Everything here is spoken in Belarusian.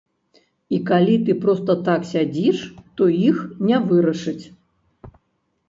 І калі ты проста так сядзіш, то іх не вырашыць.